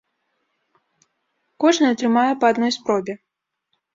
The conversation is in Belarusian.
Кожны атрымае па адной спробе.